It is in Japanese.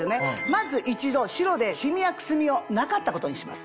まず一度白でシミやくすみをなかったことにします。